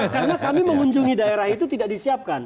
karena kami mengunjungi daerah itu tidak disiapkan